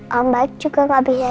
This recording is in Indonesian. mama juga gak bisa jalan ma